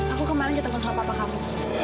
aku kemarin ketemu sama papa kami